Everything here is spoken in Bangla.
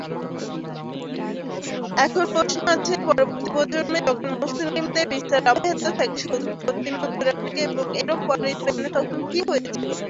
এখন প্রশ্ন আসে, পরবর্তী প্রজন্মে যখন মুসলিমদের বিস্তার অব্যাহত থাকে সুদূর-পশ্চিমে, উত্তর আফ্রিকায়, এবং এরও পরে স্পেনে, তখন কি হয়েছিল?